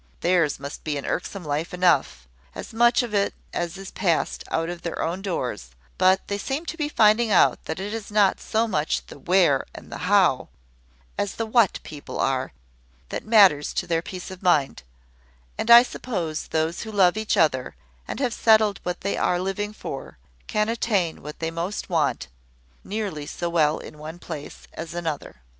Theirs must be an irksome life enough, as much of it as is passed out of their own doors: but they seem to be finding out that it is not so much the where and the how, as the what people are, that matters to their peace of mind; and I suppose those who love each other, and have settled what they are living for, can attain what they most want, nearly so well in one place as another.